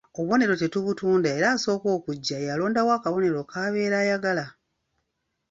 Obubonero tetubutunda era asooka okujja y'alondawo akabonero k'abeera ayagala.